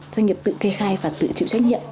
doanh nghiệp tự kê khai và tự chịu trách nhiệm